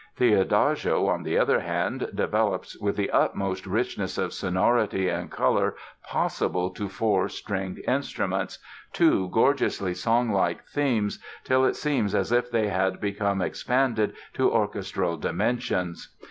The Adagio, on the other hand, develops, with the utmost richness of sonority and color possible to four stringed instruments, two gorgeously songlike themes till it seems as if they had become expanded to orchestral dimensions.